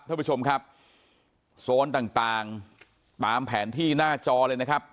ท่านผู้ชมครับโซนต่างต่างตามแผนที่หน้าจอเลยนะครับ